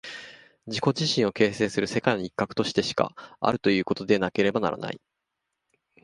自己自身を形成する世界の一角としてしかあるということでなければならない。